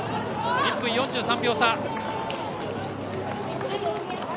１分４３秒差。